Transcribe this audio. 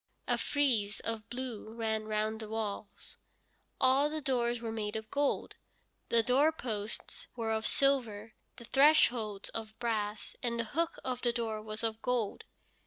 A frieze of blue ran round the walls. All the doors were made of gold, the doorposts were of silver, the thresholds of brass, and the hook of the door was of gold.